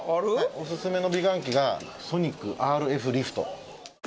おすすめの美顔器がソニックＲＦリフト。